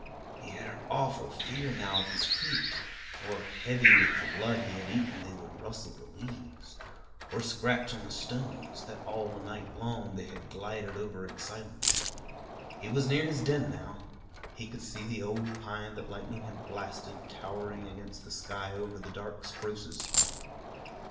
He had an awful fear now of his feet; for, heavy with the blood he had eaten, they would rustle the leaves, or scratch on the stones, that all night long they had glided over in silence. He was near his den now. He could see the old pine that lightning had blasted, towering against the sky over the dark spruces.